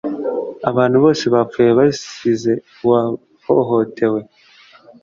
abantu bose bapfuye basize uwahohotewe